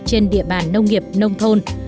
trên địa bàn nông nghiệp nông thôn